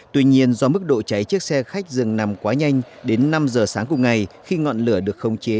tuy nhiên do mức độ cháy chiếc xe khách dừng nằm quá nhanh đến năm giờ sáng cùng ngày khi ngọn lửa được khống chế